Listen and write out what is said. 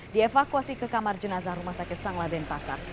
dievakuasi ke kamar jenazah rumah sakit sangladen pasar